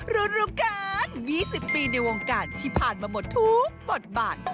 รู้กัน๒๐ปีในวงการที่ผ่านมาหมดทุกบทบาท